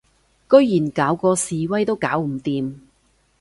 居然搞嗰示威都搞唔掂